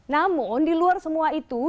namun di luar semua itu